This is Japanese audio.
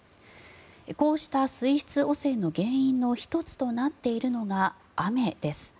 こうした水質汚染の原因の１つとなっているのが雨です。